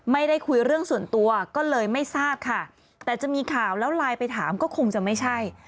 ไม่ได้คุยเรื่องส่วนตัวก็เลยไม่ทราบค่ะแต่จะมีข่าวแล้วไลน์ไปถามก็คงจะไม่ใช่